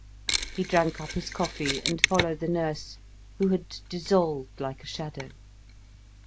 He drank up his coffee, and followed the nurse, who had dissolved like a shadow.